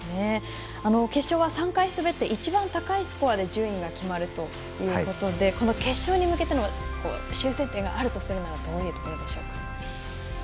決勝は３回滑って一番高いスコアで順位が決まるということでこの決勝に向けての修正点があるとするならどういうところでしょうか。